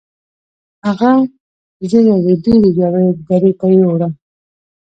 هغه زه یوې ډیرې ژورې درې ته یووړم.